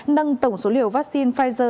nâng tổng số liều vắc xin pfizer